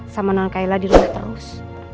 sama non kelam dirumah terus